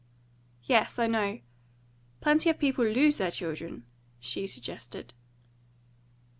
"Yes, I know. Plenty of people LOSE their children," she suggested.